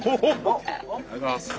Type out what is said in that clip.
ありがとうございます。